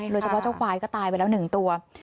โดยเฉพาะเจ้าควายก็ตายไปแล้วหนึ่งตัว